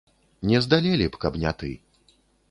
Не здалелі б, каб не ты.